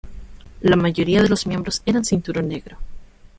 La mayoría de los miembros eran cinturón negro.